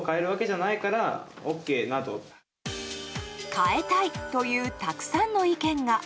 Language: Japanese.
変えたいというたくさんの意見が。